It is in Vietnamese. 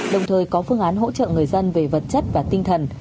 đồng thời có phương án hỗ trợ người dân về vật chất và tinh thần